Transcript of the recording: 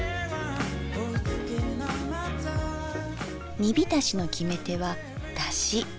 煮浸しの決め手はだし。